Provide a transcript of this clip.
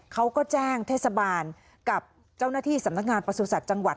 เขาก็แจ้งเทศบาลกับเจ้าหน้าที่สำนักงานประสุทธิ์จังหวัด